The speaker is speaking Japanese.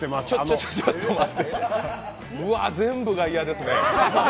ちょ、ちょ、ちょっと待って、全部が嫌ですね。